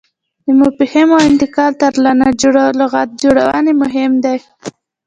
د مفاهیمو انتقال تر لغت جوړونې مهم دی.